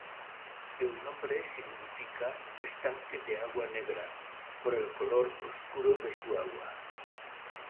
El nombre significa "estanque de agua negra", por el color oscuro de su agua.